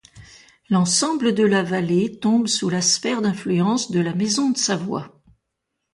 L'ensemble de la vallée tombe sous la sphère d'influence de la maison de Savoie.